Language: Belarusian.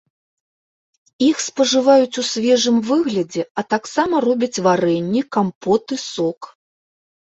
Іх спажываюць у свежым выглядзе, а таксама робяць варэнне, кампоты, сок.